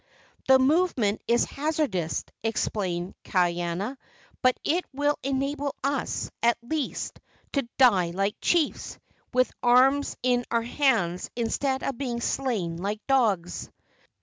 "The movement is hazardous," explained Kaiana, "but it will enable us, at least, to die like chiefs, with arms in our hands, instead of being slain like dogs."